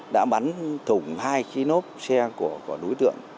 đã bắn thủng hai cái nốt xe của đối tượng